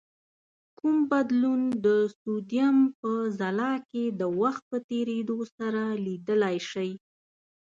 کوم بدلون د سودیم په ځلا کې د وخت په تیرېدو سره لیدلای شئ؟